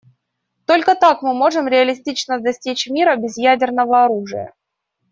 Только так мы можем реалистично достичь мира без ядерного оружия.